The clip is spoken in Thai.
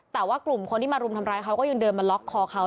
แต่ว่ากลุ่มคนที่มารุมทำร้ายเขาก็ยังเดินมาล็อกคอเขา